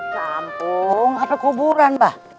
kampung apa kuburan mbah